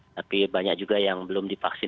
tapi banyak juga yang belum divaksin